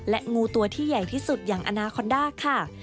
งูตัวที่ใหญ่ที่สุดอย่างอนาคอนด้าค่ะ